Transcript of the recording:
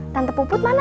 tante puput mana